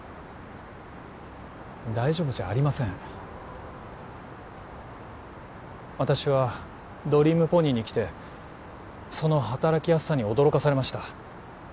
大丈夫じゃありません私はドリームポニーに来てその働きやすさに驚かされました